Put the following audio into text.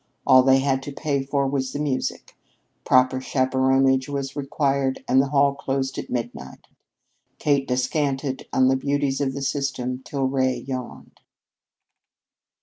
All they had to pay for was the music. Proper chaperonage was required and the hall closed at midnight. Kate descanted on the beauties of the system till Ray yawned.